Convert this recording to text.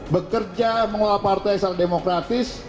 bekerja mengelola partai secara demokratis